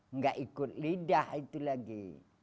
nggak ikut lidah itu lagi